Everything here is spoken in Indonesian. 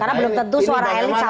karena belum tentu suara elit sama